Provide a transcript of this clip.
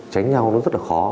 với nhau nó rất là khó